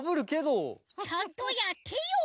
ちゃんとやってよ！